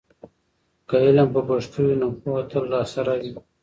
که علم په پښتو وي، نو پوهه تل راسره وي.